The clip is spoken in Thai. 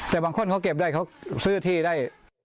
แต่บางคนเขาเก็บได้เขาซื้อที่ได้